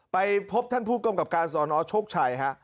ไปพบท่านผู้กรรมการสนอโชคชัย